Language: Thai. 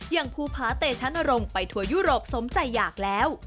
อย่างภูพาเตชะนรงค์ไปทัวร์ยุโรปสมใจอยากแล้ว